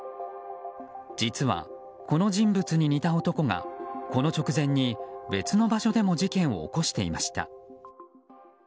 実はこの人物に似た別の男がこの直前に別の場所でも事件を起こしていました。